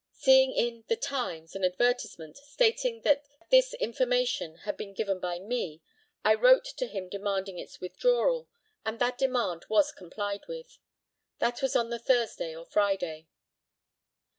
Seeing in The Times an advertisement, stating that this information had been given by me, I wrote to him demanding its withdrawal, and that demand was complied with. That was on the Thursday or Friday.